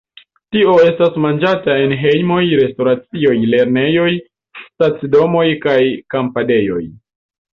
Tio estas manĝata en hejmoj, restoracioj, lernejoj, stacidomoj kaj kampadejoj.